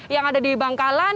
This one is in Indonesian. yang ada di bangkalan